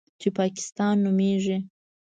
چې پاکستان نومېږي.